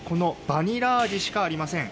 バニラ味しかありません。